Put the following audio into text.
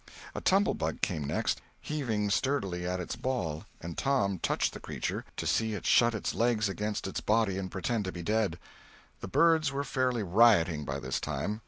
A tumblebug came next, heaving sturdily at its ball, and Tom touched the creature, to see it shut its legs against its body and pretend to be dead. The birds were fairly rioting by this time.